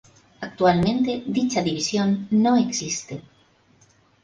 Actualmente dicha división no existe.